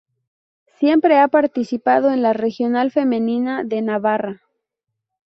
Siempre ha participado en la Regional Femenina de Navarra.